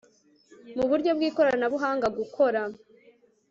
mu buryo bw ikoranabuhanga gukora